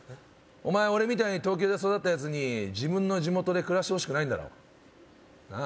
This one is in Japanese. お前俺みたいに東京で育ったやつに自分の地元で暮らしてほしくないんだろ？なあ？